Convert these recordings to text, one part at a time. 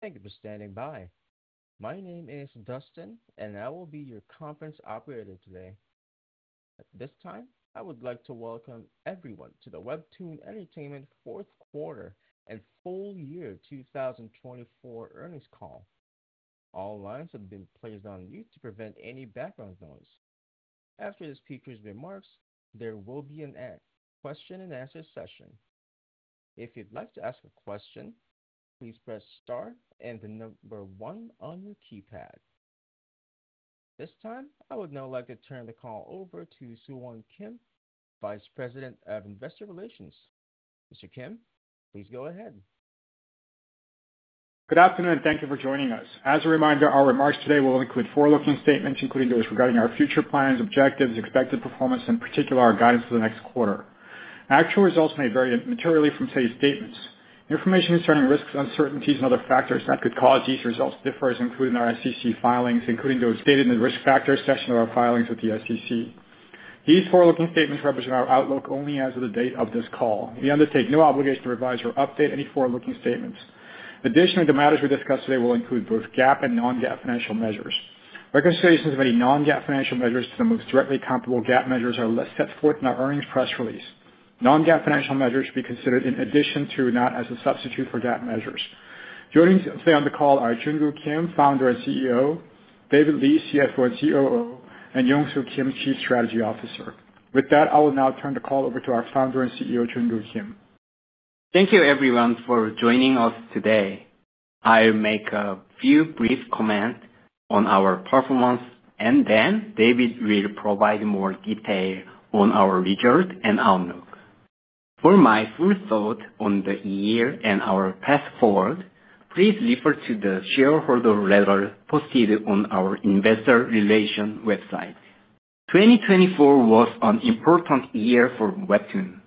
Thank you for standing by. My name is Dustin, and I will be your conference operator today. At this time, I would like to welcome everyone to the WEBTOON Entertainment Q4 and Full-Year 2024 Earnings Call. All lines have been placed on mute to prevent any background noise. After this speaker's remarks, there will be a question-and-answer session. If you'd like to ask a question, please press star and the number one on your keypad. At this time, I would now like to turn the call over to Soohwan Kim, Vice President of Investor Relations. Mr. Kim, please go ahead. Good afternoon, and thank you for joining us. As a reminder, our remarks today will include forward-looking statements, including those regarding our future plans, objectives, expected performance, and in particular, our guidance for the next quarter. Actual results may vary materially from today's statements. Information concerning risks, uncertainties, and other factors that could cause these results differs, including our SEC filings, including those dated in the risk factor section of our filings with the SEC. These forward-looking statements represent our outlook only as of the date of this call. We undertake no obligation to revise or update any forward-looking statements. Additionally, the matters we discuss today will include both GAAP and non-GAAP financial measures. Reconciliations of any non-GAAP financial measures to the most directly comparable GAAP measures are set forth in our earnings press release. Non-GAAP financial measures should be considered in addition to, not as a substitute for GAAP measures. Joining today on the call are Junkoo Kim, Founder and CEO, David Lee, CFO and COO, and Yongsoo Kim, Chief Strategy Officer. With that, I will now turn the call over to our Founder and CEO, Junkoo Kim. Thank you, everyone, for joining us today. I'll make a few brief comments on our performance, and then David will provide more detail on our results and outlook. For my full thought on the year and our path forward, please refer to the shareholder letter posted on our Investor Relations website. 2024 was an important year for WEBTOON.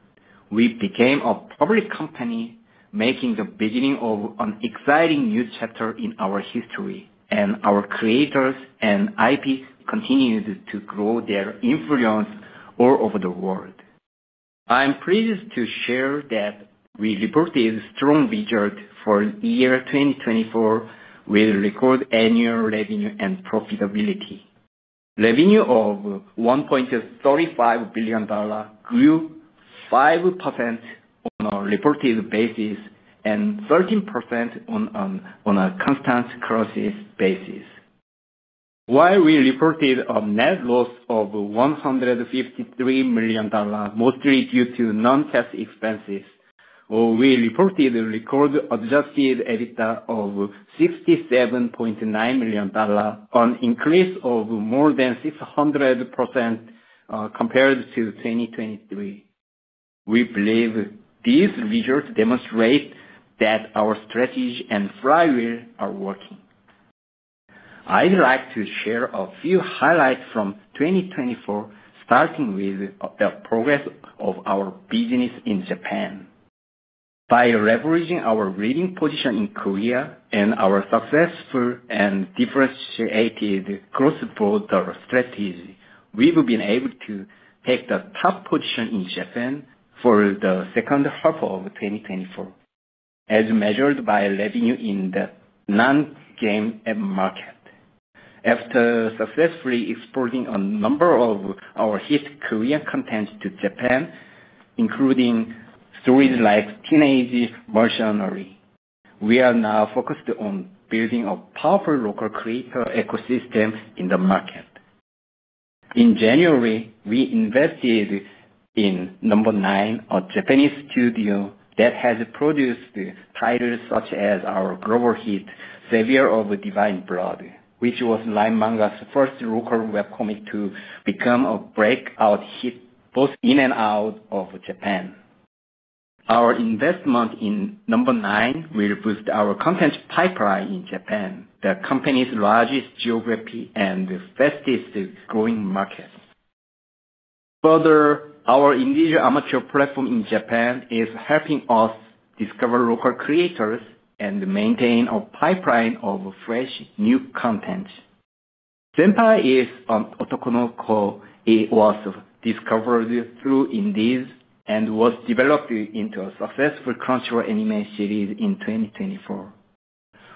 We became a public company, marking the beginning of an exciting new chapter in our history, and our creators and IPs continued to grow their influence all over the world. I'm pleased to share that we reported strong results for the year 2024, with record annual revenue and profitability. Revenue of $1.35 billion grew 5% on a reported basis and 13% on a constant currency basis. While we reported a net loss of $153 million, mostly due to non-cash expenses, we reported a record adjusted EBITDA of $67.9 million, an increase of more than 600% compared to 2023. We believe these results demonstrate that our strategy and flywheel are working. I'd like to share a few highlights from 2024, starting with the progress of our business in Japan. By leveraging our leading position in Korea and our successful and differentiated cross-border strategy, we've been able to take the top position in Japan for the second half of 2024, as measured by revenue in the non-game market. After successfully exporting a number of our hit Korean content to Japan, including stories like "Teenage Mercenary," we are now focused on building a powerful local creator ecosystem in the market. In January, we invested in No. 9, a Japanese studio that has produced titles such as our global hit "The Savior of Divine Blood," which was LINE MANGA's first local webcomic to become a breakout hit both in and out of Japan. Our investment in No. 9 will boost our content pipeline in Japan, the company's largest geography and the fastest-growing market. Further, our individual amateur platform in Japan is helping us discover local creators and maintain a pipeline of fresh new content. Senpai is an Otokonoko was discovered through Indies and was developed into a successful cultural anime series in 2024.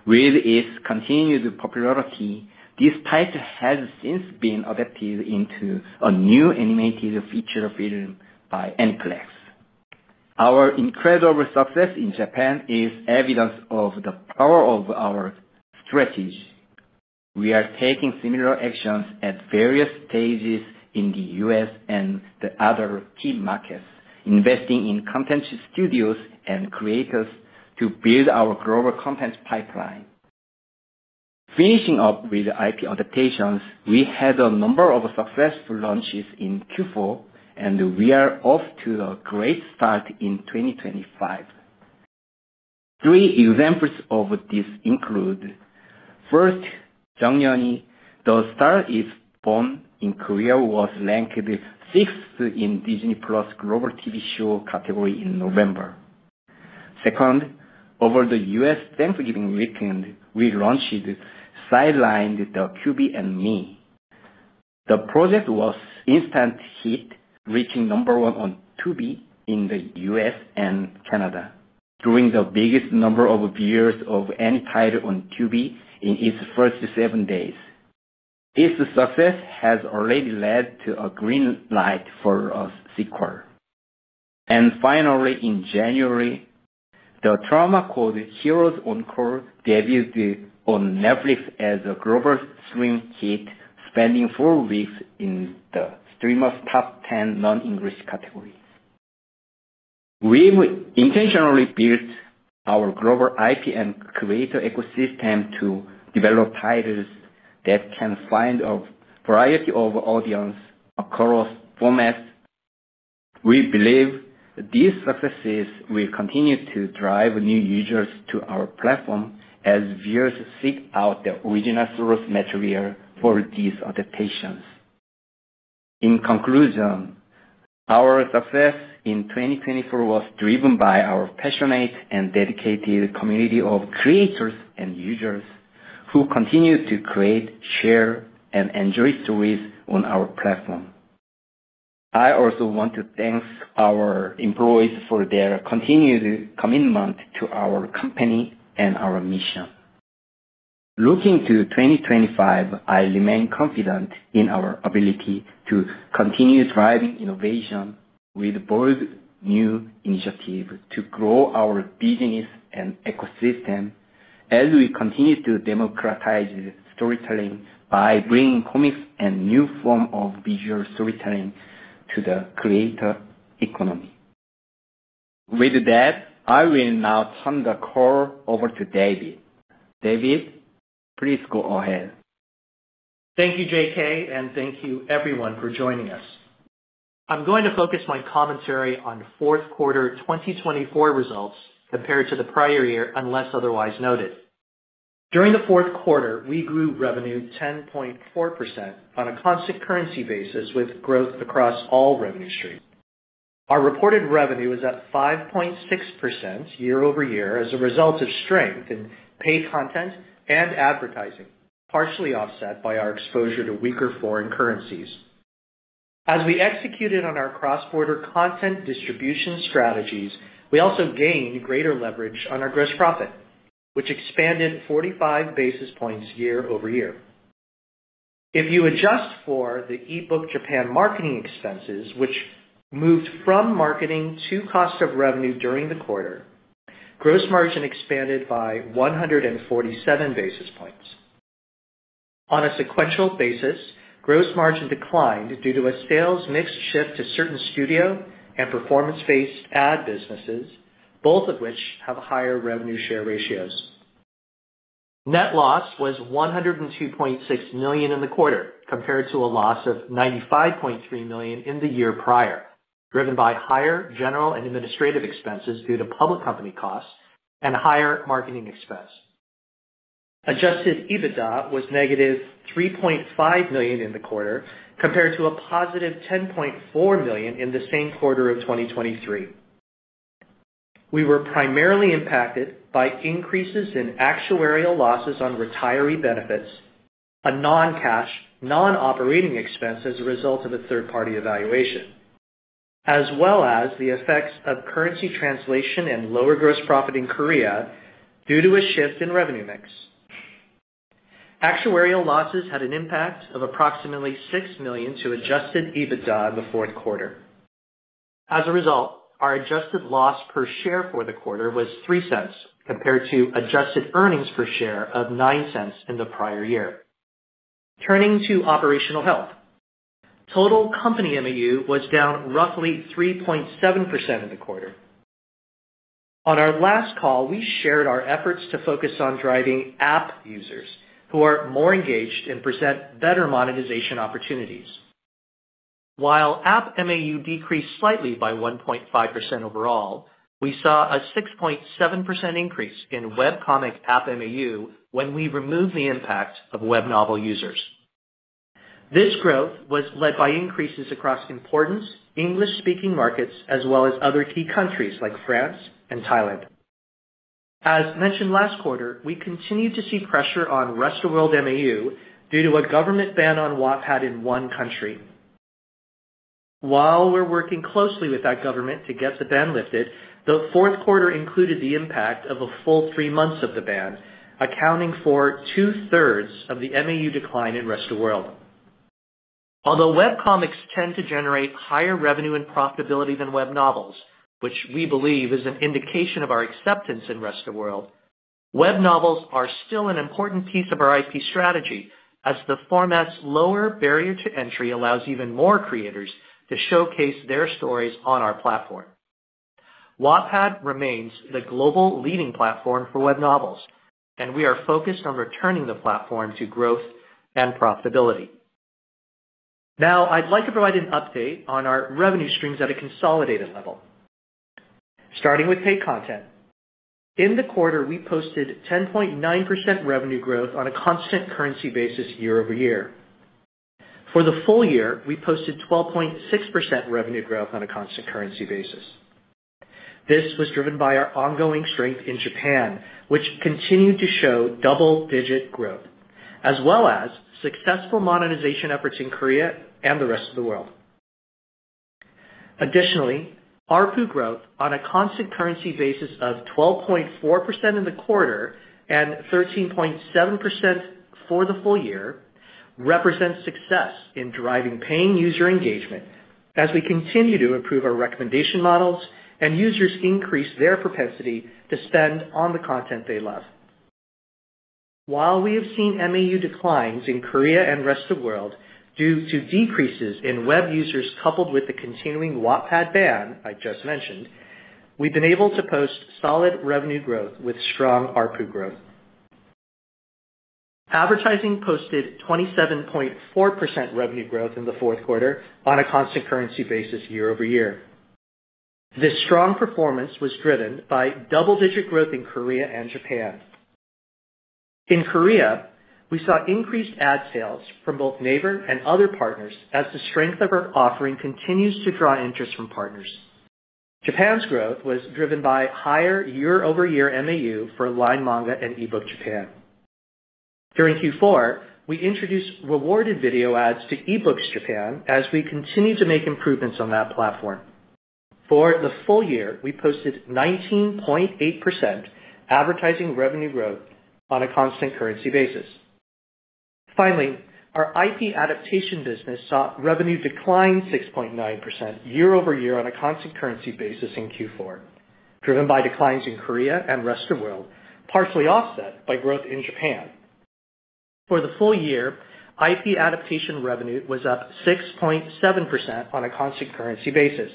With its continued popularity, this title has since been adapted into a new animated feature film by Aniplex. Our incredible success in Japan is evidence of the power of our strategy. We are taking similar actions at various stages in the U.S. And the other key markets, investing in content studios and creators to build our global content pipeline. Finishing up with IP adaptations, we had a number of successful launches in Q4, and we are off to a great start in 2025. Three examples of this include: First, "Jeongnyeon: The Star Is Born" in Korea was ranked sixth in Disney+ Global TV Show category in November. Second, over the U.S. Thanksgiving weekend, we launched "Sidelined: The QB and Me." The project was an instant hit, reaching No. 1 on Tubi in the U.S. and Canada, drawing the biggest number of viewers of any title on Tubi in its first seven days. This success has already led to a green light for a sequel. And finally, in January, "The Trauma Code: Heroes on Call" debuted on Netflix as a global streaming hit, spending four weeks in the streamer's top 10 non-English categories. We've intentionally built our global IP and creator ecosystem to develop titles that can find a variety of audiences across formats. We believe these successes will continue to drive new users to our platform as viewers seek out the original source material for these adaptations. In conclusion, our success in 2024 was driven by our passionate and dedicated community of creators and users who continue to create, share, and enjoy stories on our platform. I also want to thank our employees for their continued commitment to our company and our mission. Looking to 2025, I remain confident in our ability to continue driving innovation with bold new initiatives to grow our business and ecosystem as we continue to democratize storytelling by bringing comics and new forms of visual storytelling to the creator economy. With that, I will now turn the call over to David. David, please go ahead. Thank you, JK, and thank you, everyone, for joining us. I'm going to focus my commentary on Q4 2024 results compared to the prior year, unless otherwise noted. During the Q4, we grew revenue 10.4% on a constant currency basis, with growth across all revenue streams. Our reported revenue is at 5.6% year-over-year as a result of strength in paid content and advertising, partially offset by our exposure to weaker foreign currencies. As we executed on our cross-border content distribution strategies, we also gained greater leverage on our gross profit, which expanded 45 basis points year-over-year. If you adjust for the eBookJapan marketing expenses, which moved from marketing to cost of revenue during the quarter, gross margin expanded by 147 basis points. On a sequential basis, gross margin declined due to a sales mix shift to certain studio and performance-based ad businesses, both of which have higher revenue share ratios. Net loss was $102.6 million in the quarter, compared to a loss of $95.3 million in the year prior, driven by higher general and administrative expenses due to public company costs and higher marketing expense. Adjusted EBITDA was negative $3.5 million in the quarter, compared to a positive $10.4 million in the same quarter of 2023. We were primarily impacted by increases in actuarial losses on retiree benefits, a non-cash, non-operating expense as a result of a third-party evaluation, as well as the effects of currency translation and lower gross profit in Korea due to a shift in revenue mix. Actuarial losses had an impact of approximately $6 million to adjusted EBITDA in the Q4. As a result, our adjusted loss per share for the quarter was $0.03, compared to adjusted earnings per share of $0.09 in the prior year. Turning to operational health, total company MAU was down roughly 3.7% in the quarter. On our last call, we shared our efforts to focus on driving app users, who are more engaged and present better monetization opportunities. While app MAU decreased slightly by 1.5% overall, we saw a 6.7% increase in Webcomic app MAU when we removed the impact of web novel users. This growth was led by increases across important English-speaking markets, as well as other key countries like France and Thailand. As mentioned last quarter, we continued to see pressure on Rest-of-the-World MAU due to a government ban on Wattpad in one country. While we're working closely with that government to get the ban lifted, the Q4 included the impact of a full three months of the ban, accounting for 2/3 of the MAU decline in Rest of the World. Although Webcomics tend to generate higher revenue and profitability than web novels, which we believe is an indication of our acceptance in Rest of the World, web novels are still an important piece of our IP strategy, as the format's lower barrier to entry allows even more creators to showcase their stories on our platform. Wattpad remains the global leading platform for web novels, and we are focused on returning the platform to growth and profitability. Now, I'd like to provide an update on our revenue streams at a consolidated level. Starting with paid content, in the quarter, we posted 10.9% revenue growth on a constant currency basis year-over-year. For the full year, we posted 12.6% revenue growth on a constant currency basis. This was driven by our ongoing strength in Japan, which continued to show double-digit growth, as well as successful monetization efforts in Korea and the Rest of the World. Additionally, ARPU growth on a constant currency basis of 12.4% in the quarter and 13.7% for the full year represents success in driving paying user engagement, as we continue to improve our recommendation models and users increase their propensity to spend on the content they love. While we have seen MAU declines in Korea and Rest of the World due to decreases in web users coupled with the continuing Wattpad ban I just mentioned, we've been able to post solid revenue growth with strong ARPU growth. Advertising posted 27.4% revenue growth in the Q4 on a constant currency basis year-over-year. This strong performance was driven by double-digit growth in Korea and Japan. In Korea, we saw increased ad sales from both Naver and other partners, as the strength of our offering continues to draw interest from partners. Japan's growth was driven by higher year-over-year MAU for LINE MANGA and eBookJapan. During Q4, we introduced rewarded video ads to eBookJapan, as we continue to make improvements on that platform. For the full year, we posted 19.8% advertising revenue growth on a constant currency basis. Finally, our IP adaptation business saw revenue decline 6.9% year-over-year on a constant currency basis in Q4, driven by declines in Korea and Rest of the World, partially offset by growth in Japan. For the full year, IP adaptation revenue was up 6.7% on a constant currency basis.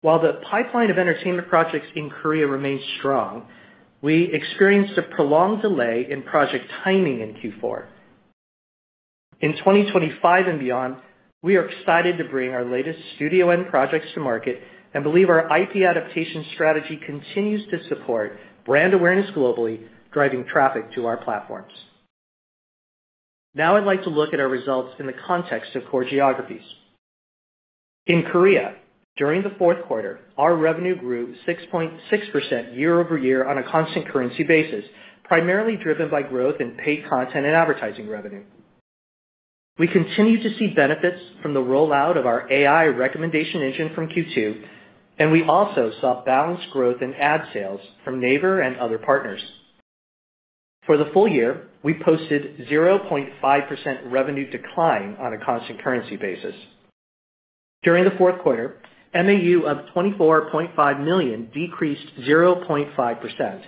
While the pipeline of entertainment projects in Korea remains strong, we experienced a prolonged delay in project timing in Q4. In 2025 and beyond, we are excited to bring our latest studio and projects to market and believe our IP adaptation strategy continues to support brand awareness globally, driving traffic to our platforms. Now, I'd like to look at our results in the context of core geographies. In Korea, during the Q4, our revenue grew 6.6% year-over-year on a constant currency basis, primarily driven by growth in paid content and advertising revenue. We continue to see benefits from the rollout of our AI recommendation engine from Q2, and we also saw balanced growth in ad sales from Naver and other partners. For the full year, we posted 0.5% revenue decline on a constant currency basis. During the Q4, MAU of 24.5 million decreased 0.5%.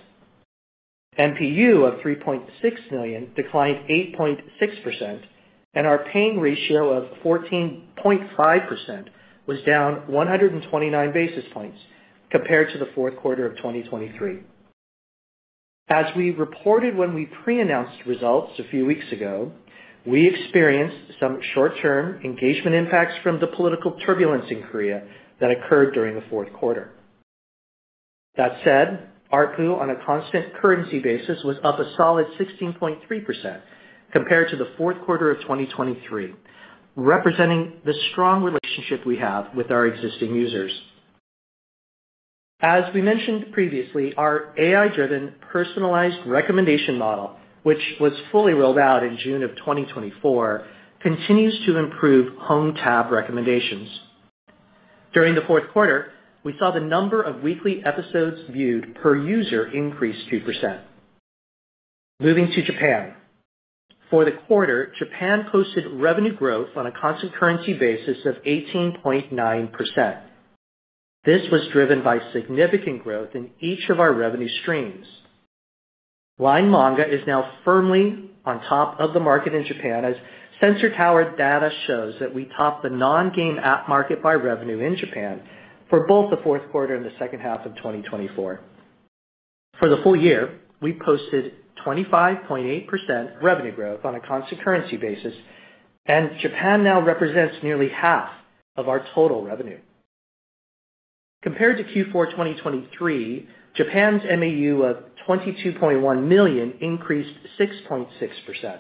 MPU of $3.6 million declined 8.6%, and our paying ratio of 14.5% was down 129 basis points compared to the Q4 of 2023. As we reported when we pre-announced results a few weeks ago, we experienced some short-term engagement impacts from the political turbulence in Korea that occurred during the Q4. That said, ARPU on a constant currency basis was up a solid 16.3% compared to the Q4 of 2023, representing the strong relationship we have with our existing users. As we mentioned previously, our AI-driven personalized recommendation model, which was fully rolled out in June of 2024, continues to improve home tab recommendations. During the Q4, we saw the number of weekly episodes viewed per user increase 2%. Moving to Japan, for the quarter, Japan posted revenue growth on a constant currency basis of 18.9%. This was driven by significant growth in each of our revenue streams. LINE MANGA is now firmly on top of the market in Japan, as Sensor Tower data shows that we top the non-game app market by revenue in Japan for both the Q4 and the second half of 2024. For the full year, we posted 25.8% revenue growth on a constant currency basis, and Japan now represents nearly half of our total revenue. Compared to Q4 2023, Japan's MAU of 22.1 million increased 6.6%.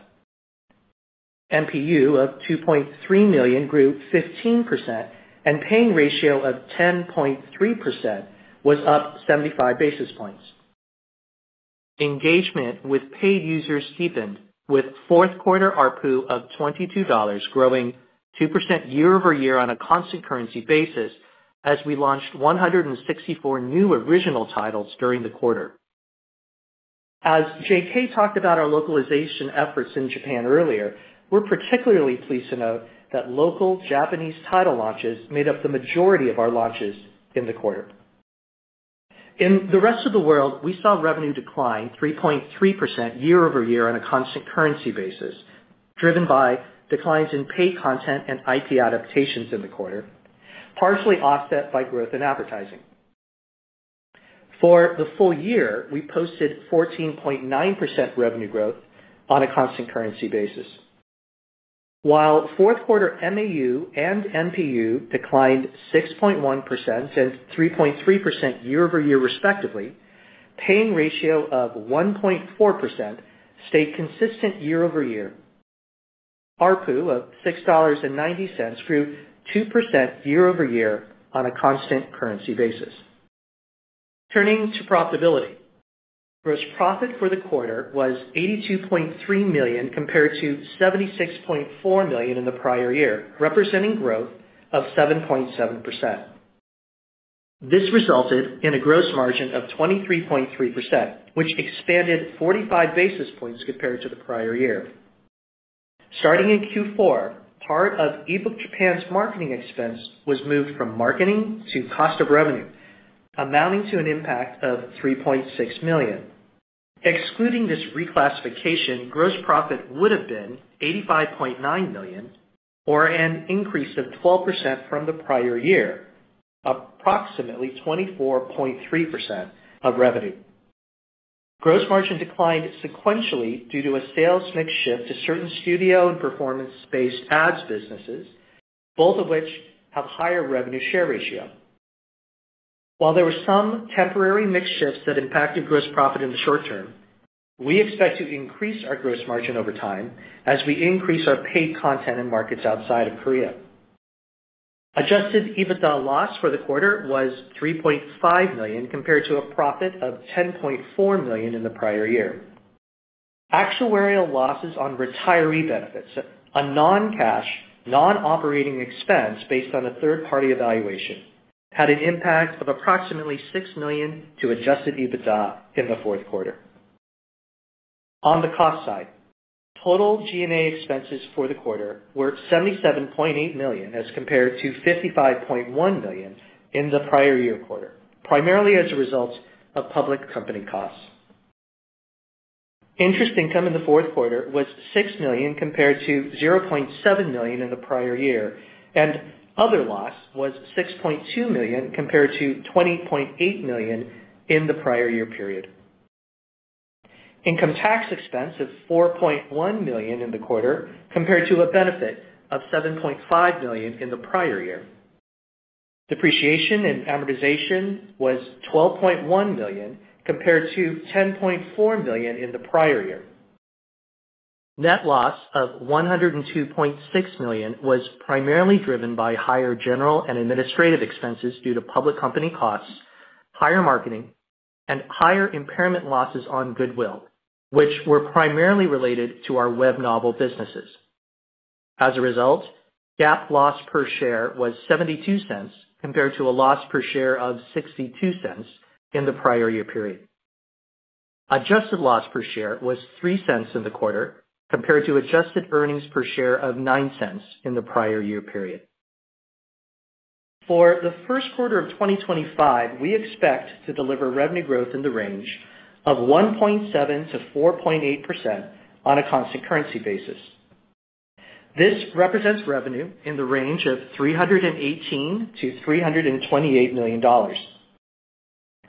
MPU of 2.3 million grew 15%, and paying ratio of 10.3% was up 75 basis points. Engagement with paid users deepened, with Q4 ARPU of $22 growing 2% year-over-year on a constant currency basis, as we launched 164 new original titles during the quarter. As JK talked about our localization efforts in Japan earlier, we're particularly pleased to note that local Japanese title launches made up the majority of our launches in the quarter. In the Rest of the World, we saw revenue decline 3.3% year-over-year on a constant currency basis, driven by declines in paid content and IP adaptations in the quarter, partially offset by growth in advertising. For the full year, we posted 14.9% revenue growth on a constant currency basis. While Q4 MAU and MPU declined 6.1% and 3.3% year-over-year, respectively, paying ratio of 1.4% stayed consistent year-over-year. ARPU of $6.90 grew 2% year-over-year on a constant currency basis. Turning to profitability, gross profit for the quarter was $82.3 million compared to $76.4 million in the prior year, representing growth of 7.7%. This resulted in a gross margin of 23.3%, which expanded 45 basis points compared to the prior year. Starting in Q4, part of eBookJapan's marketing expense was moved from marketing to cost of revenue, amounting to an impact of $3.6 million. Excluding this reclassification, gross profit would have been $85.9 million or an increase of 12% from the prior year, approximately 24.3% of revenue. Gross margin declined sequentially due to a sales mix shift to certain studio and performance-based ads businesses, both of which have a higher revenue share ratio. While there were some temporary mix shifts that impacted gross profit in the short term, we expect to increase our gross margin over time as we increase our paid content and markets outside of Korea. Adjusted EBITDA loss for the quarter was $3.5 million compared to a profit of $10.4 million in the prior year. Actuarial losses on retiree benefits, a non-cash, non-operating expense based on a third-party evaluation, had an impact of approximately $6 million to Adjusted EBITDA in the Q4. On the cost side, total G&A expenses for the quarter were $77.8 million as compared to $55.1 million in the prior year quarter, primarily as a result of public company costs. Interest income in the Q4 was $6 million compared to $0.7 million in the prior year, and other loss was $6.2 million compared to $20.8 million in the prior year period. Income tax expense of $4.1 million in the quarter compared to a benefit of $7.5 million in the prior year. Depreciation and amortization was $12.1 million compared to $10.4 million in the prior year. Net loss of $102.6 million was primarily driven by higher general and administrative expenses due to public company costs, higher marketing, and higher impairment losses on goodwill, which were primarily related to our web novel businesses. As a result, GAAP loss per share was $0.72 compared to a loss per share of $0.62 in the prior year period. Adjusted loss per share was $0.03 in the quarter compared to adjusted earnings per share of $0.09 in the prior year period. For the Q1 of 2025, we expect to deliver revenue growth in the range of 1.7%-4.8% on a constant currency basis. This represents revenue in the range of $318 million-$328 million.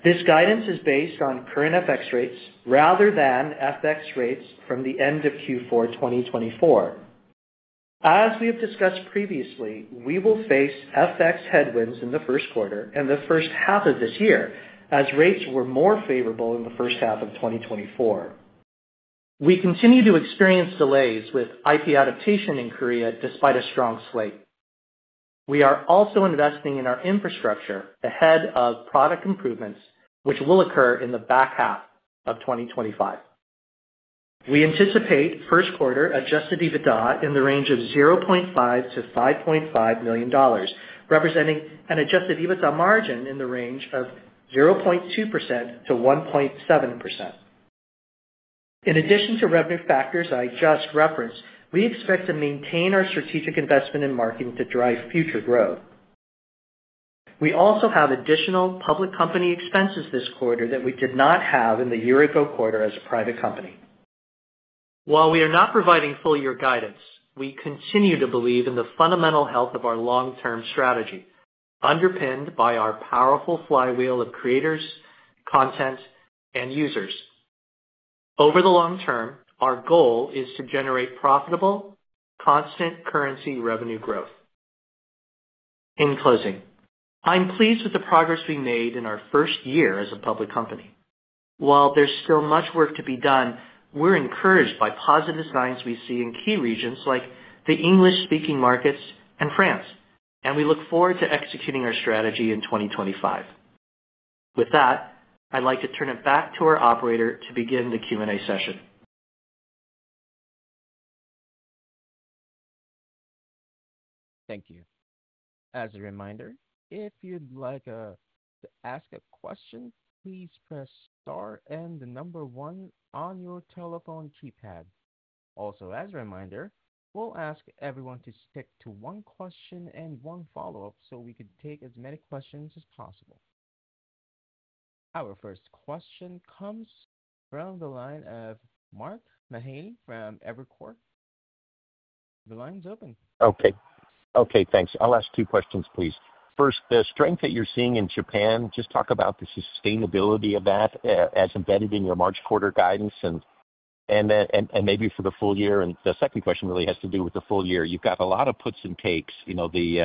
This guidance is based on current FX rates rather than FX rates from the end of Q4 2024. As we have discussed previously, we will face FX headwinds in the Q1 and the first half of this year, as rates were more favorable in the first half of 2024. We continue to experience delays with IP adaptation in Korea despite a strong slate. We are also investing in our infrastructure ahead of product improvements, which will occur in the back half of 2025. We anticipate Q1 adjusted EBITDA in the range of $0.5 million-$5.5 million, representing an adjusted EBITDA margin in the range of 0.2%-1.7%. In addition to revenue factors I just referenced, we expect to maintain our strategic investment in marketing to drive future growth. We also have additional public company expenses this quarter that we did not have in the year-ago quarter as a private company. While we are not providing full-year guidance, we continue to believe in the fundamental health of our long-term strategy, underpinned by our powerful flywheel of creators, content, and users. Over the long term, our goal is to generate profitable, constant currency revenue growth. In closing, I'm pleased with the progress we made in our first year as a public company. While there's still much work to be done, we're encouraged by positive signs we see in key regions like the English-speaking markets and France, and we look forward to executing our strategy in 2025. With that, I'd like to turn it back to our operator to begin the Q&A session. Thank you. As a reminder, if you'd like to ask a question, please press star and the number one on your telephone keypad. Also, as a reminder, we'll ask everyone to stick to one question and one follow-up so we can take as many questions as possible. Our first question comes from the line of Mark Mahaney from Evercore. The line's open. Okay. Okay, thanks. I'll ask two questions, please. First, the strength that you're seeing in Japan, just talk about the sustainability of that as embedded in your March Quarter guidance and maybe for the full year. And the second question really has to do with the full year. You've got a lot of puts and takes. You know, the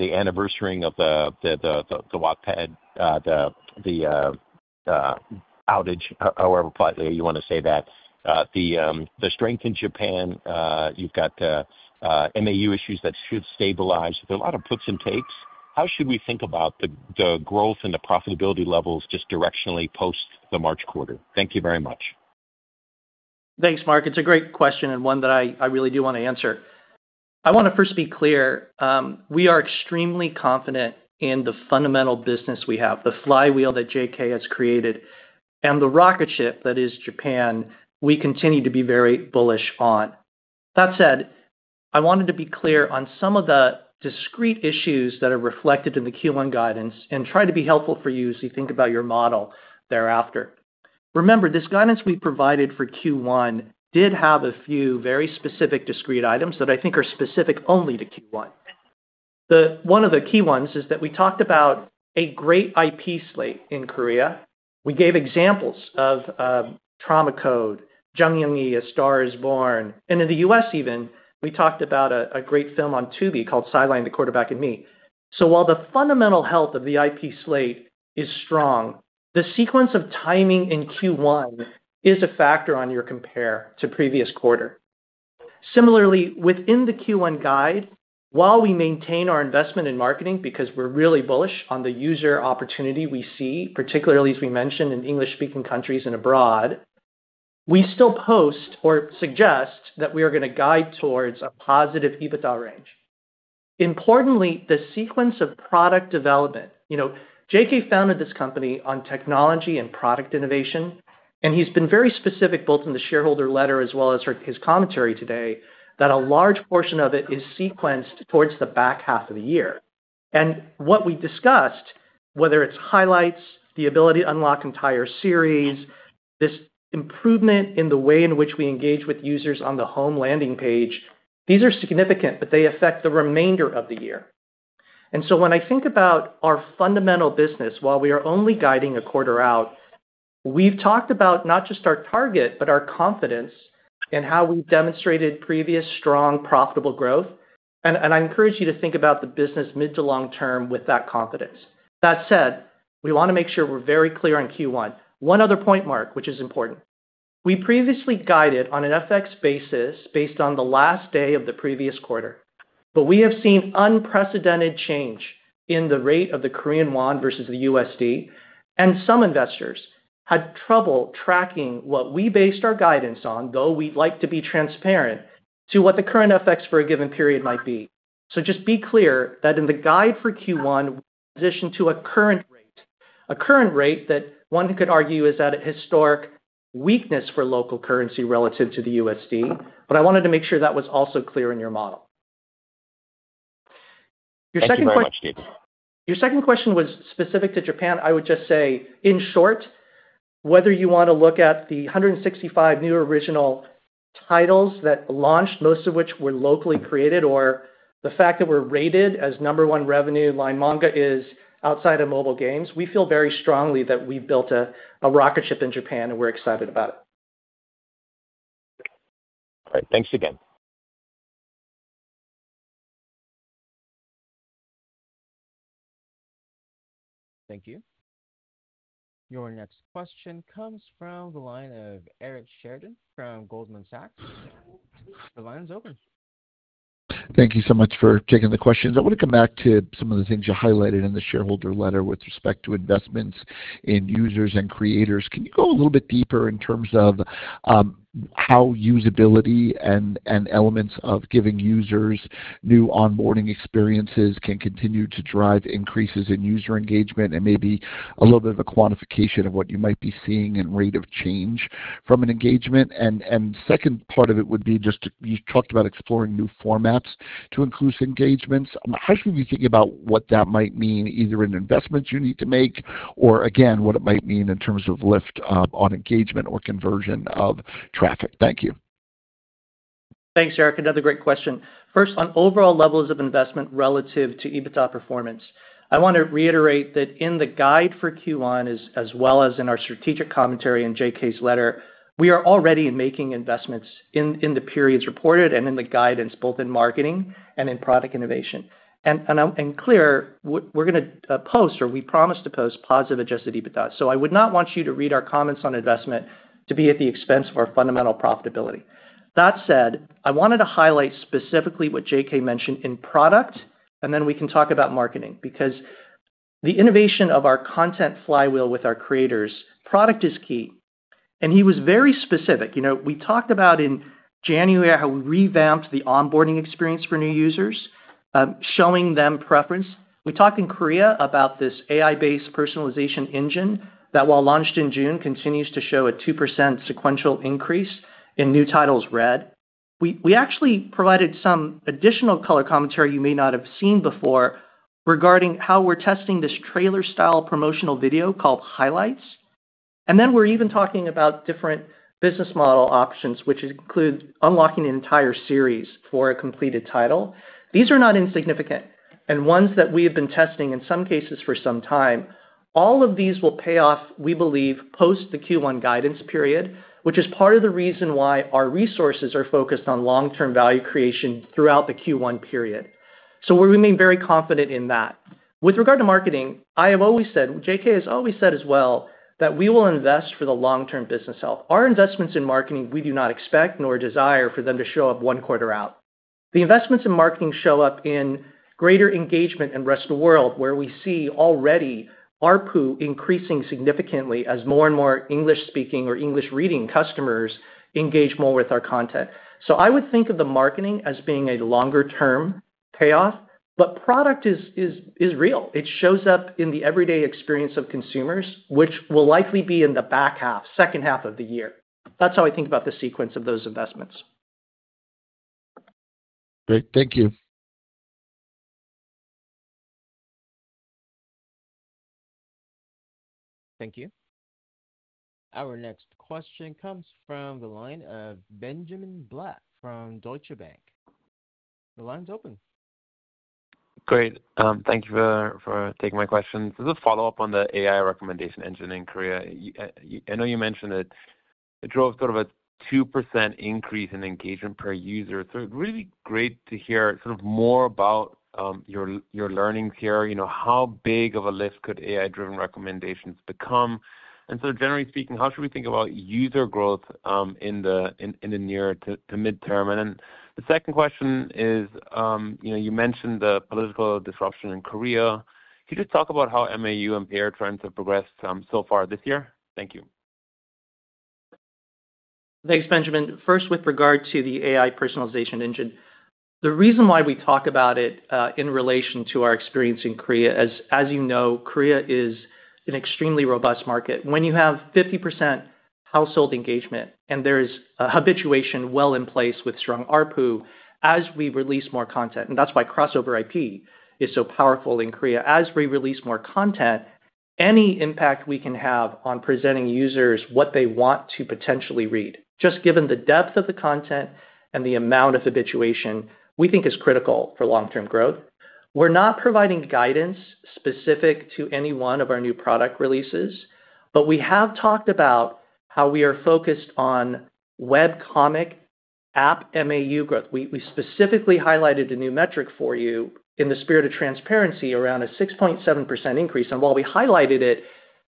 anniversary of the Wattpad, the outage, however politely you want to say that, the strength in Japan, you've got MAU issues that should stabilize. There are a lot of puts and takes. How should we think about the growth and the profitability levels just directionally post the March Quarter? Thank you very much. Thanks, Mark. It's a great question and one that I really do want to answer. I want to first be clear. We are extremely confident in the fundamental business we have, the flywheel that JK has created, and the rocket ship that is Japan. We continue to be very bullish on. That said, I wanted to be clear on some of the discrete issues that are reflected in the Q1 guidance and try to be helpful for you as you think about your model thereafter. Remember, this guidance we provided for Q1 did have a few very specific discrete items that I think are specific only to Q1. One of the key ones is that we talked about a great IP slate in Korea. We gave examples of Trauma Code, Jeongnyeon: The Star Is Born, and in the U.S. even, we talked about a great film on Tubi called Sidelined: The Quarterback and Me. So while the fundamental health of the IP slate is strong, the sequence of timing in Q1 is a factor on your compare to previous quarter. Similarly, within the Q1 guide, while we maintain our investment in marketing because we're really bullish on the user opportunity we see, particularly as we mentioned in English-speaking countries and abroad, we still post or suggest that we are going to guide towards a positive EBITDA range. Importantly, the sequence of product development, you know, JK founded this company on technology and product innovation, and he's been very specific both in the shareholder letter as well as his commentary today that a large portion of it is sequenced towards the back half of the year. And what we discussed, whether it's highlights, the ability to unlock entire series, this improvement in the way in which we engage with users on the home landing page, these are significant, but they affect the remainder of the year. And so when I think about our fundamental business, while we are only guiding a quarter out, we've talked about not just our target, but our confidence and how we've demonstrated previous strong, profitable growth. And I encourage you to think about the business mid to long term with that confidence. That said, we want to make sure we're very clear on Q1. One other point, Mark, which is important. We previously guided on an FX basis based on the last day of the previous quarter, but we have seen unprecedented change in the rate of the Korean won versus the USD, and some investors had trouble tracking what we based our guidance on, though we'd like to be transparent to what the current FX for a given period might be. So just be clear that in the guide for Q1, we positioned to a current rate, a current rate that one could argue is at a historic weakness for local currency relative to the USD, but I wanted to make sure that was also clear in your model. Your second question was specific to Japan. I would just say, in short, whether you want to look at the 165 new original titles that launched, most of which were locally created, or the fact that we're rated as number one revenue, LINE MANGA, is outside of mobile games, we feel very strongly that we've built a rocket ship in Japan and we're excited about it. All right, thanks again. Thank you. Your next question comes from the line of Eric Sheridan from Goldman Sachs. The line is open. Thank you so much for taking the questions. I want to come back to some of the things you highlighted in the shareholder letter with respect to investments in users and creators. Can you go a little bit deeper in terms of how usability and elements of giving users new onboarding experiences can continue to drive increases in user engagement and maybe a little bit of a quantification of what you might be seeing in rate of change from an engagement? And second part of it would be just you talked about exploring new formats to inclusive engagements. How should we be thinking about what that might mean, either in investments you need to make or, again, what it might mean in terms of lift on engagement or conversion of traffic? Thank you. Thanks, Eric. Another great question. First, on overall levels of investment relative to EBITDA performance, I want to reiterate that in the guide for Q1, as well as in our strategic commentary in JK's letter, we are already making investments in the periods reported and in the guidance, both in marketing and in product innovation, and clearly, we're going to post, or we promise to post, positive adjusted EBITDA, so I would not want you to read our comments on investment to be at the expense of our fundamental profitability. That said, I wanted to highlight specifically what JK mentioned in product, and then we can talk about marketing because the innovation of our content flywheel with our creators, product is key. And he was very specific. You know, we talked about in January how we revamped the onboarding experience for new users, showing them preference. We talked in Korea about this AI-based personalization engine that, while launched in June, continues to show a 2% sequential increase in new titles read. We actually provided some additional color commentary you may not have seen before regarding how we're testing this trailer-style promotional video called Highlights, and then we're even talking about different business model options, which include unlocking an entire series for a completed title. These are not insignificant and ones that we have been testing in some cases for some time. All of these will pay off, we believe, post the Q1 guidance period, which is part of the reason why our resources are focused on long-term value creation throughout the Q1 period, so we remain very confident in that. With regard to marketing, I have always said, JK has always said as well, that we will invest for the long-term business health. Our investments in marketing, we do not expect nor desire for them to show up one quarter out. The investments in marketing show up in greater engagement and Rest of the World where we see already our pool increasing significantly as more and more English-speaking or English-reading customers engage more with our content. So I would think of the marketing as being a longer-term payoff, but product is real. It shows up in the everyday experience of consumers, which will likely be in the back half, second half of the year. That's how I think about the sequence of those investments. Great. Thank you. Thank you. Our next question comes from the line of Benjamin Black from Deutsche Bank. The line's open. Great. Thank you for taking my question. This is a follow-up on the AI recommendation engine in Korea. I know you mentioned that it drove sort of a 2% increase in engagement per user. So it's really great to hear sort of more about your learnings here. You know, how big of a lift could AI-driven recommendations become? And so generally speaking, how should we think about user growth in the near to midterm? And the second question is, you mentioned the political disruption in Korea. Could you just talk about how MAU and ARPU trends have progressed so far this year? Thank you. Thanks, Benjamin. First, with regard to the AI-personalization engine, the reason why we talk about it in relation to our experience in Korea, as you know, Korea is an extremely robust market. When you have 50% household engagement and there is habituation well in place with strong ARPU, as we release more content, and that's why crossover IP is so powerful in Korea, as we release more content, any impact we can have on presenting users what they want to potentially read, just given the depth of the content and the amount of habituation, we think is critical for long-term growth. We're not providing guidance specific to any one of our new product releases, but we have talked about how we are focused on Webcomic app MAU growth. We specifically highlighted a new metric for you in the spirit of transparency around a 6.7% increase. And while we highlighted it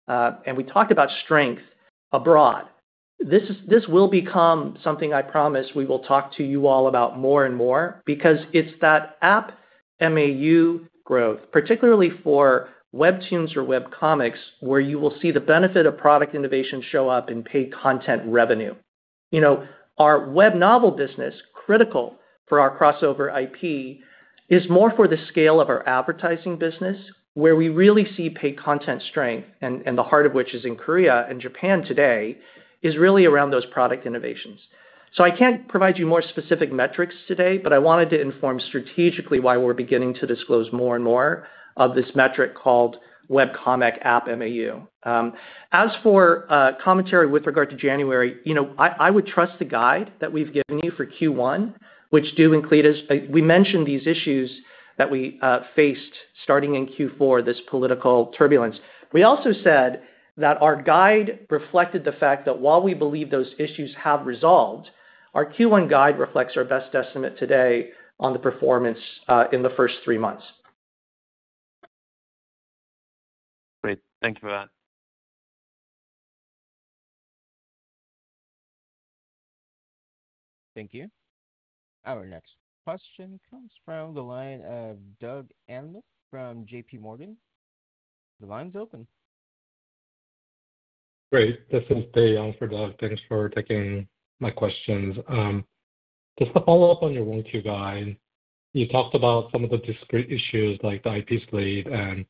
and we talked about strength abroad, this will become something I promise we will talk to you all about more and more because it's that app MAU growth, particularly for webtoons or webcomics where you will see the benefit of product innovation show up in paid content revenue. You know, our Webnovel business, critical for our crossover IP, is more for the scale of our advertising business where we really see paid content strength, and the heart of which is in Korea and Japan today, is really around those product innovations. So I can't provide you more specific metrics today, but I wanted to inform strategically why we're beginning to disclose more and more of this metric called Webcomic app MAU. As for commentary with regard to January, you know, I would trust the guide that we've given you for Q1, which do include us. We mentioned these issues that we faced starting in Q4, this political turbulence. We also said that our guide reflected the fact that while we believe those issues have resolved, our Q1 guide reflects our best estimate today on the performance in the first three months. Great. Thank you for that. Thank you. Our next question comes from the line of Doug Anmuth from JP Morgan. The line's open. Great. This is Dave Young for Doug. Thanks for taking my questions. Just to follow up on your Q1 guide, you talked about some of the discrete issues like the IP slate and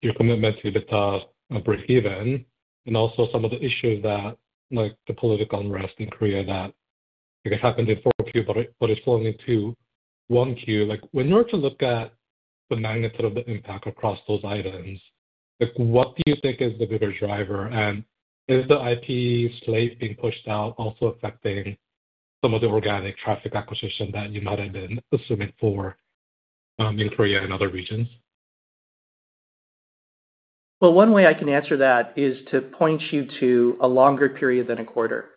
your commitment to the breakeven, and also some of the issues that, like the political unrest in Korea that, I guess, happened in Q4, but it's flowing into Q1. Like, when you look at the magnitude of the impact across those items, like, what do you think is the bigger driver? And is the IP slate being pushed out also affecting some of the organic traffic acquisition that you might have been assuming going in for Korea and other regions? Well, one way I can answer that is to point you to a longer period than a quarter.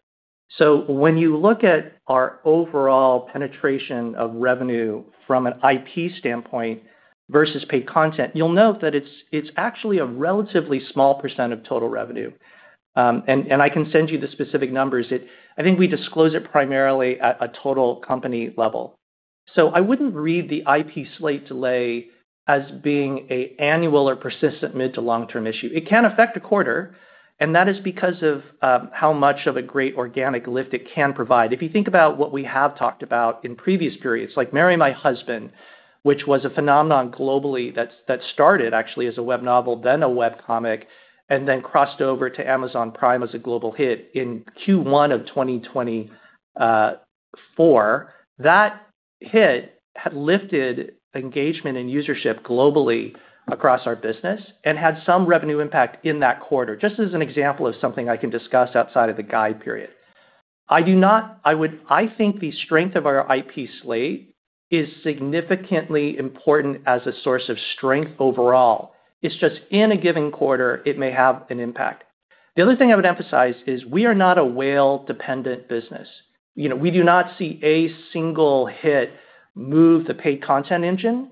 So when you look at our overall penetration of revenue from an IP standpoint versus paid content, you'll note that it's actually a relatively small % of total revenue. And I can send you the specific numbers. I think we disclose it primarily at a total company level. So I wouldn't read the IP slate delay as being an annual or persistent mid to long-term issue. It can affect a quarter, and that is because of how much of a great organic lift it can provide. If you think about what we have talked about in previous periods, like Marry My Husband, which was a phenomenon globally that started actually as a web novel, then a web comic, and then crossed over to Amazon Prime as a global hit in Q1 of 2024, that hit had lifted engagement and usership globally across our business and had some revenue impact in that quarter, just as an example of something I can discuss outside of the guide period. I think the strength of our IP slate is significantly important as a source of strength overall. It's just in a given quarter, it may have an impact. The other thing I would emphasize is we are not a whale-dependent business. You know, we do not see a single hit move the paid content engine,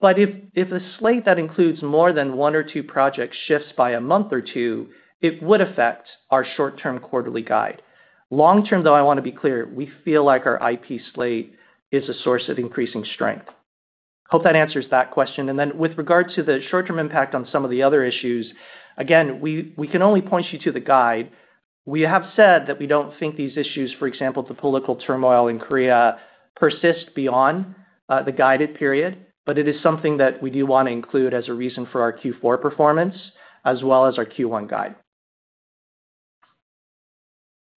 but if a slate that includes more than one or two projects shifts by a month or two, it would affect our short-term quarterly guide. Long-term, though, I want to be clear, we feel like our IP slate is a source of increasing strength. Hope that answers that question, and then with regard to the short-term impact on some of the other issues, again, we can only point you to the guide. We have said that we don't think these issues, for example, the political turmoil in Korea, persist beyond the guided period, but it is something that we do want to include as a reason for our Q4 performance, as well as our Q1 guide.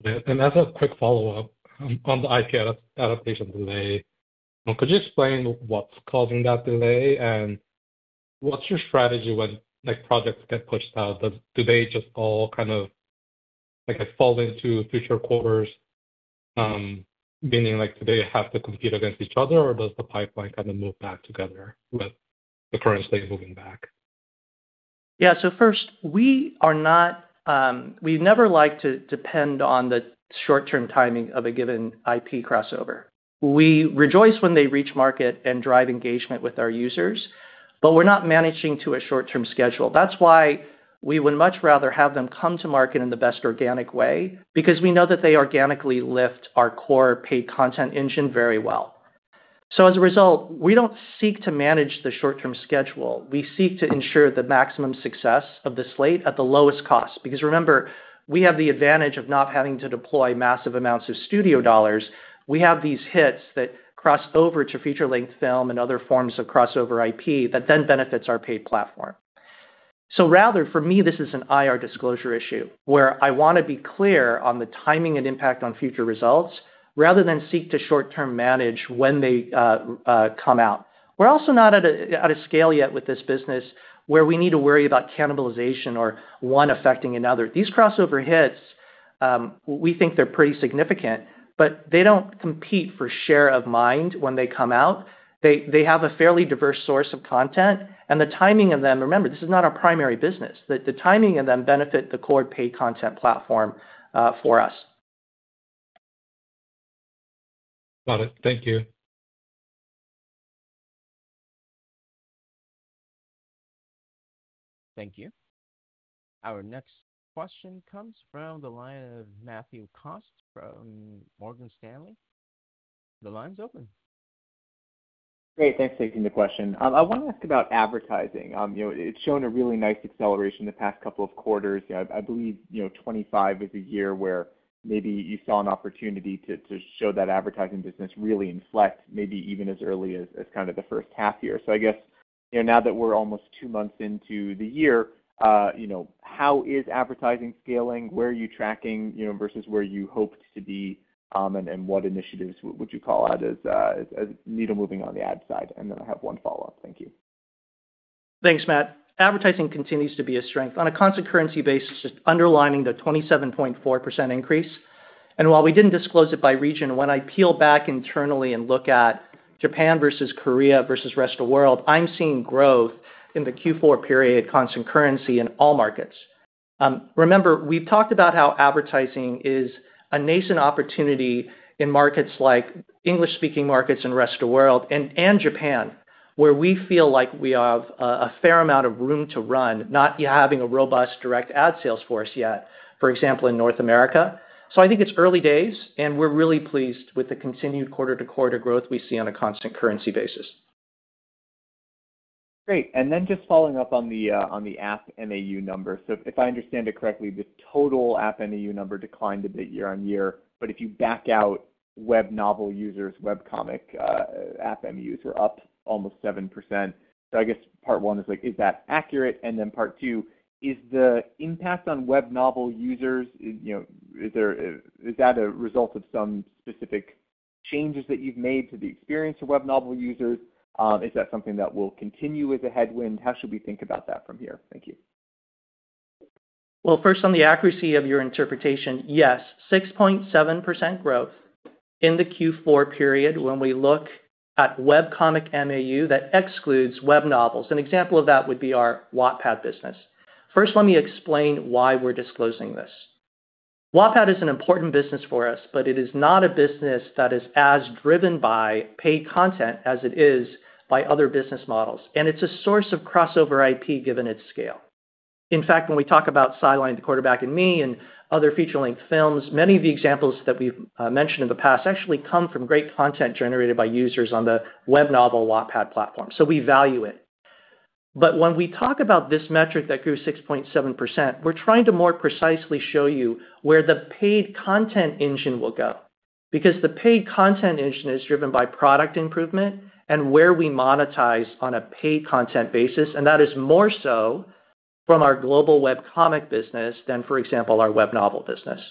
As a quick follow-up on the IP adaptation delay, could you explain what's causing that delay and what's your strategy when projects get pushed out? Do they just all kind of, like, fall into future quarters, meaning, like, do they have to compete against each other, or does the pipeline kind of move back together with the current slate moving back? Yeah, so first, we are not, we never like to depend on the short-term timing of a given IP crossover. We rejoice when they reach market and drive engagement with our users, but we're not managing to a short-term schedule. That's why we would much rather have them come to market in the best organic way because we know that they organically lift our core paid content engine very well. As a result, we don't seek to manage the short-term schedule. We seek to ensure the maximum success of the slate at the lowest cost because remember, we have the advantage of not having to deploy massive amounts of studio dollars. We have these hits that cross over to feature-length film and other forms of crossover IP that then benefits our paid platform, so rather, for me, this is an IR disclosure issue where I want to be clear on the timing and impact on future results rather than seek to short-term manage when they come out. We're also not at a scale yet with this business where we need to worry about cannibalization or one affecting another. These crossover hits, we think they're pretty significant, but they don't compete for share of mind when they come out. They have a fairly diverse source of content, and the timing of them, remember, this is not our primary business. The timing of them benefits the core paid content platform for us. Got it. Thank you. Thank you. Our next question comes from the line of Matthew Cost from Morgan Stanley. The line's open. Great. Thanks for taking the question. I want to ask about advertising. You know, it's shown a really nice acceleration in the past couple of quarters. You know, I believe, you know, 2025 is a year where maybe you saw an opportunity to show that advertising business really inflect, maybe even as early as kind of the first half year. So I guess, you know, now that we're almost two months into the year, you know, how is advertising scaling? Where are you tracking, you know, versus where you hoped to be and what initiatives would you call out as needle moving on the ad side? And then I have one follow-up. Thank you. Thanks, Matt. Advertising continues to be a strength. On a constant currency basis, just underlining the 27.4% increase. And while we didn't disclose it by region, when I peel back internally and look at Japan versus Korea versus Rest of the World, I'm seeing growth in the Q4 period, constant currency in all markets. Remember, we've talked about how advertising is a nascent opportunity in markets like English-speaking markets and Rest of the World and Japan, where we feel like we have a fair amount of room to run, not having a robust direct ad sales force yet, for example, in North America. So I think it's early days, and we're really pleased with the continued quarter-to-quarter growth we see on a constant currency basis. Great. And then just following up on the app MAU number. So if I understand it correctly, the total app MAU number declined a bit year on year, but if you back out web novel users, web comic app MAUs were up almost 7%. So I guess part one is like, is that accurate? And then part two, is the impact on web novel users, you know, is that a result of some specific changes that you've made to the experience of web novel users? Is that something that will continue as a headwind? How should we think about that from here? Thank you. Well, first, on the accuracy of your interpretation, yes, 6.7% growth in the Q4 period when we look at web comic MAU that excludes web novels. An example of that would be our Wattpad business. First, let me explain why we're disclosing this. Wattpad is an important business for us, but it is not a business that is as driven by paid content as it is by other business models, and it's a source of crossover IP given its scale. In fact, when we talk about Sidelined: The Quarterback and Me and other feature-length films, many of the examples that we've mentioned in the past actually come from great content generated by users on the Webnovel Wattpad platform. So we value it. But when we talk about this metric that grew 6.7%, we're trying to more precisely show you where the paid content engine will go because the paid content engine is driven by product improvement and where we monetize on a paid content basis, and that is more so from our global Webcomic business than, for example, our Webnovel business.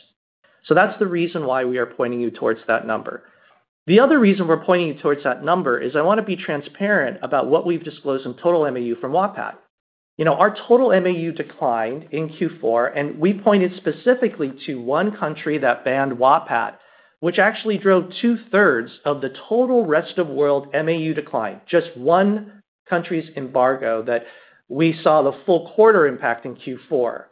So that's the reason why we are pointing you towards that number. The other reason we're pointing you towards that number is I want to be transparent about what we've disclosed in total MAU from Wattpad. You know, our total MAU declined in Q4, and we pointed specifically to one country that banned Wattpad, which actually drove two-thirds of the total rest of world MAU decline, just one country's embargo that we saw the full quarter impact in Q4.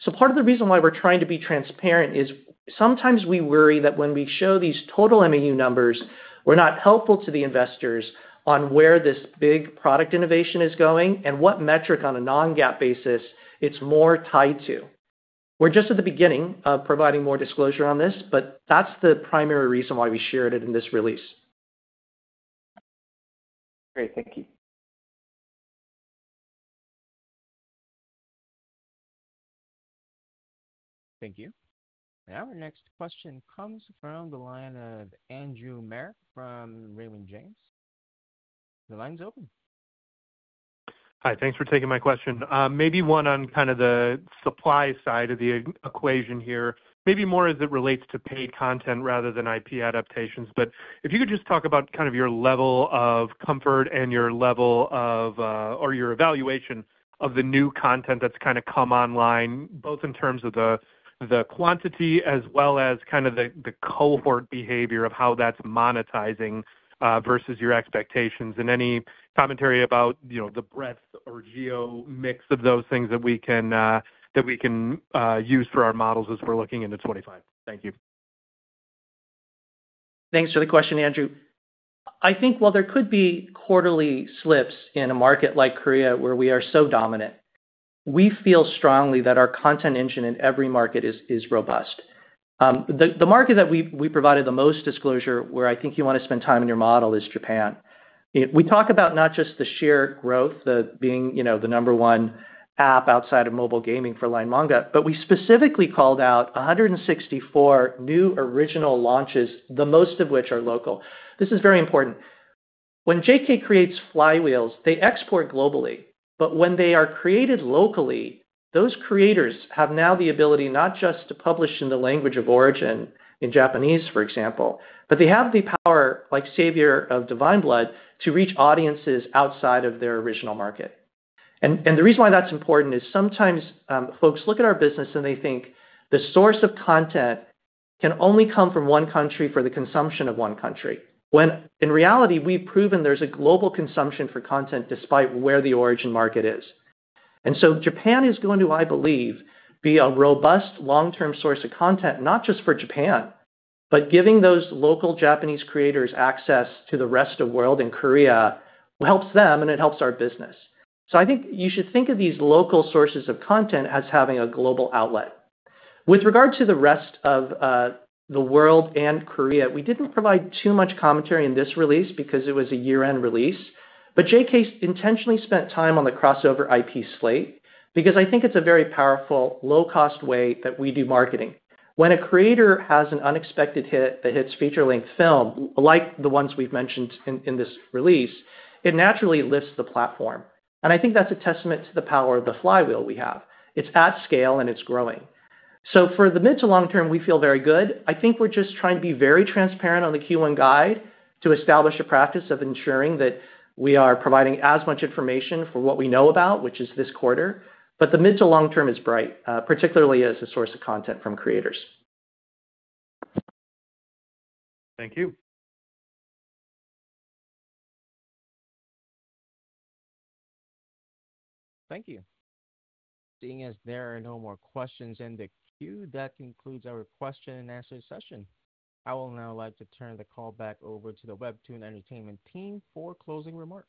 So part of the reason why we're trying to be transparent is sometimes we worry that when we show these total MAU numbers, we're not helpful to the investors on where this big product innovation is going and what metric on a non-GAAP basis it's more tied to. We're just at the beginning of providing more disclosure on this, but that's the primary reason why we shared it in this release. Great. Thank you. Thank you. Our next question comes from the line of Andrew Marok from Raymond James. The line's open. Hi, thanks for taking my question. Maybe one on kind of the supply side of the equation here, maybe more as it relates to paid content rather than IP adaptations, but if you could just talk about kind of your level of comfort and your level of, or your evaluation of the new content that's kind of come online, both in terms of the quantity as well as kind of the cohort behavior of how that's monetizing versus your expectations and any commentary about, you know, the breadth or geo mix of those things that we can use for our models as we're looking into 2025. Thank you. Thanks for the question, Andrew. I think, while there could be quarterly slips in a market like Korea where we are so dominant, we feel strongly that our content engine in every market is robust. The market that we provided the most disclosure where I think you want to spend time in your model is Japan. We talk about not just the sheer growth, the being, you know, the number one app outside of mobile gaming for LINE MANGA, but we specifically called out 164 new original launches, the most of which are local. This is very important. When JK creates flywheels, they export globally, but when they are created locally, those creators have now the ability not just to publish in the language of origin in Japanese, for example, but they have the power, like Savior of Divine Blood, to reach audiences outside of their original market. The reason why that's important is sometimes folks look at our business and they think the source of content can only come from one country for the consumption of one country, when in reality, we've proven there's a global consumption for content despite where the origin market is. Japan is going to, I believe, be a robust long-term source of content, not just for Japan, but giving those local Japanese creators access to the Rest of the World and Korea helps them and it helps our business. I think you should think of these local sources of content as having a global outlet. With regard to the Rest of the World and Korea, we didn't provide too much commentary in this release because it was a year-end release, but JK intentionally spent time on the crossover IP slate because I think it's a very powerful, low-cost way that we do marketing. When a creator has an unexpected hit that hits feature-length film, like the ones we've mentioned in this release, it naturally lifts the platform. And I think that's a testament to the power of the flywheel we have. It's at scale and it's growing. So for the mid to long term, we feel very good. I think we're just trying to be very transparent on the Q1 guide to establish a practice of ensuring that we are providing as much information for what we know about, which is this quarter, but the mid to long term is bright, particularly as a source of content from creators. Thank you. Thank you. Seeing as there are no more questions in the queue, that concludes our questionand-answer session. I will now like to turn the call back over to the WEBTOON Entertainment team for closing remarks.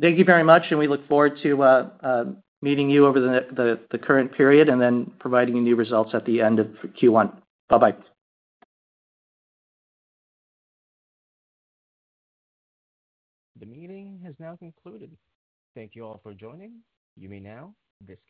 Thank you very much, and we look forward to meeting you over the current period and then providing you new results at the end of Q1. Bye-bye. The meeting has now concluded. Thank you all for joining. You may now disconnect.